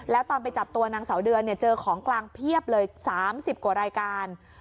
แล้วตอนไปจับตัวนางสาวเดือนเนี่ยเจอของกลางเพียบเลย๓๐กว่ารายการ